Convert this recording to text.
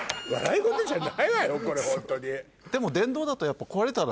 これホントに。